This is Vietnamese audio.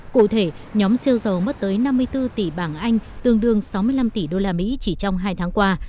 cụ thể nhóm siêu giàu mất tới năm mươi bốn tỷ bảng anh tương đương sáu mươi năm tỷ usd chỉ trong hai tháng qua